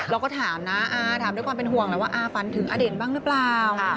เราก็ถามนะอาถามด้วยความเป็นห่วงนะว่าอาฝันถึงอเด่นบ้างหรือเปล่า